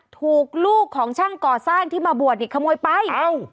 ถูกลูกของช่างก่อสร้างที่มาบวชอีกขโมยไปเอ้า